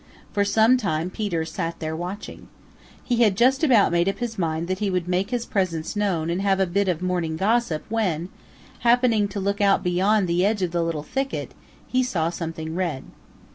For some time Peter sat there watching. He had just about made up his mind that he would make his presence known and have a bit of morning gossip when, happening to look out beyond the edge of the little thicket, he saw something red.